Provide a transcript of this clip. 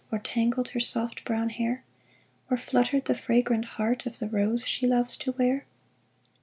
Or tangled her soft brown hair ? Or fluttered the fragrant heart Of the rose she loves to wear